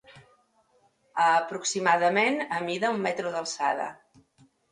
Aproximadament amida un metre d'alçada.